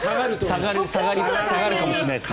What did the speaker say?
下がるかもしれないですね。